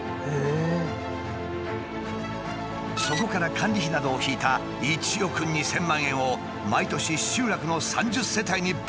そこから管理費などを引いた１億２，０００万円を毎年集落の３０世帯に分配しているという。